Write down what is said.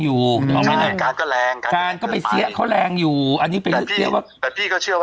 อยู่ก็แรงก็ไปเซี๊ยเค้าแรงอยู่แล้วพี่ก็เชื่อว่า